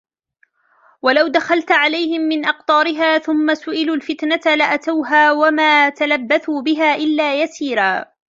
ولو دخلت عليهم من أقطارها ثم سئلوا الفتنة لآتوها وما تلبثوا بها إلا يسيرا